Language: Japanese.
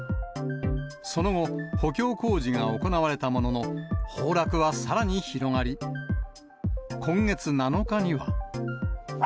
その後、補強工事が行われたものの、崩落はさらに広がり、今月７日には。